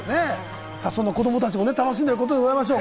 そんな子供たちも楽しんでることでございましょう。